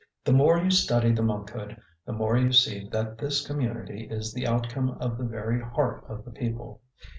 The more you study the monkhood, the more you see that this community is the outcome of the very heart of the people.